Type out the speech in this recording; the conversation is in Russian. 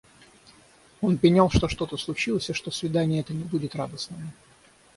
Он пенял, что что-то случилось и что свидание это не будет радостное.